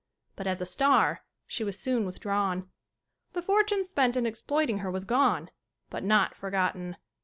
But as a star, she was soon withdrawn. The fortune spent in exploiting her was gone, but not for gotten.